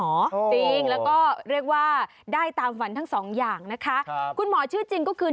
จริงแล้วก็เรียกว่าได้ตามฝันทั้งสองอย่างนะคะคุณหมอชื่อจริงก็คือ